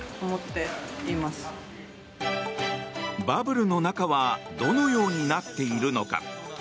バブルの中はどのようになっているのか。